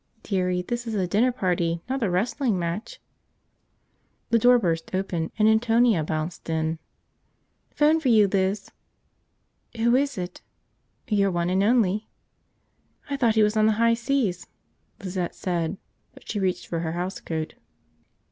"Dearie, this is a dinner party, not a wrestling match." The door burst open and Antonia bounced in. "Phone for you, Liz." "Who is it?" "Your one and only." "I thought he was on the high seas," Lizette said, but she reached for her housecoat.